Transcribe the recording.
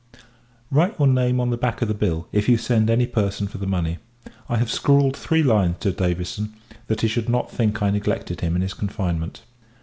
Write your name on the back of the bill, if you send any person for the money. I have scrawled three lines to Davison, that he should not think I neglected him in his confinement.